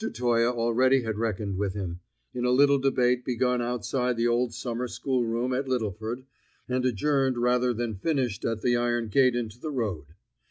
Toye already had reckoned with him, in a little debate begun outside the old summer schoolroom at Littleford, and adjourned rather than finished at the iron gate into the road.